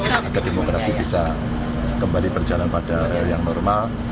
semoga demokrasi bisa kembali berjalan pada yang normal